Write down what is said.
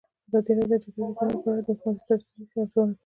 ازادي راډیو د د جګړې راپورونه په اړه د حکومتي ستراتیژۍ ارزونه کړې.